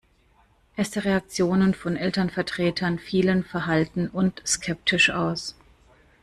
Erste Reaktionen von Elternvertretern fielen verhalten und skeptisch aus.